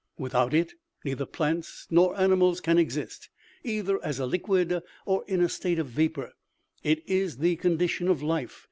Without it, neither plants nor animals can exist. Either as a liquid, or in a state of vapor, it is the condition of life.